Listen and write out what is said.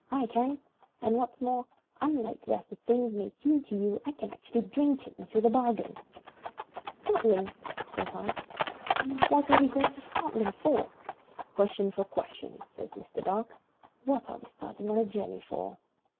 I can; and, what's more, unlikely as the thing may seem to you, I can actually drink it into the bargain." "Scotland!" says I. "What are we going to Scotland for?" "Question for question," says Mr. Dark. "What are we starting on a journey for?"